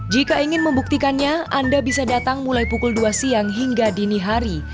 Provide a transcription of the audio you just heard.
jika ingin membuktikannya anda bisa datang mulai pukul dua siang hingga dini hari